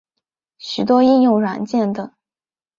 许多应用软件等。